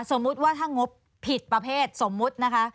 สมมุติว่าถ้างบผิดประเภทสมมุตินะคะ